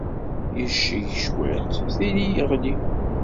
Yecceg cwiṭ, tili yeɣli.